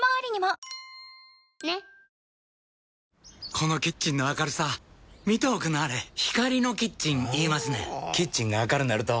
このキッチンの明るさ見ておくんなはれ光のキッチン言いますねんほぉキッチンが明るなると・・・